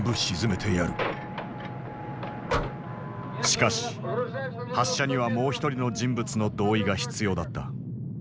しかし発射にはもう一人の人物の同意が必要だった。